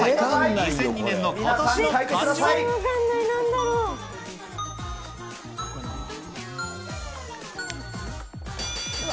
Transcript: ２００２年の今年の漢字は。